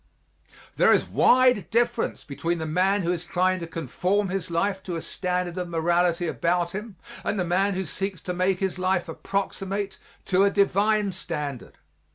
There is wide difference between the man who is trying to conform his life to a standard of morality about him and the man who seeks to make his life approximate to a divine standard.